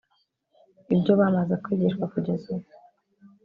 Ibyo bamaze kwigishwa kugeza ubu